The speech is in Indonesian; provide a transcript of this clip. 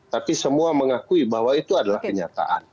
tapi semua mengakui bahwa itu adalah kenyataan